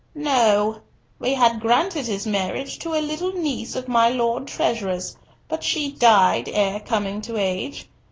"No. We had granted his marriage to a little niece of my Lord Treasurer's, but she died ere coming to age.